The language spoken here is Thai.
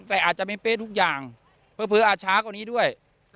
แต่อาจจะไม่เป๊ะทุกอย่างเผลออาจช้ากว่านี้ด้วย